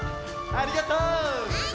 ありがとう！